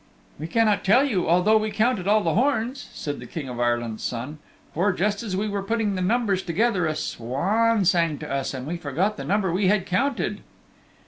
"We cannot tell you although we counted all the horns," said the King of Ireland's Son, "for just as we were putting the numbers together a swan sang to us and we forgot the number we had counted."